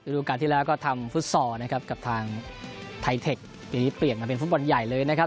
ดูการที่แล้วก็ทำฟุตซอลนะครับกับทางไทเทคปีนี้เปลี่ยนมาเป็นฟุตบอลใหญ่เลยนะครับ